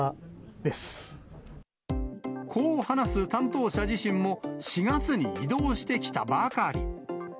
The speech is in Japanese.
こう話す担当者自身も、４月に異動してきたばかり。